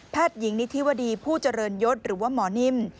แพทย์ยิงนิทิวดีผู้เจริญยุธหรือว่าหมอนิ่ม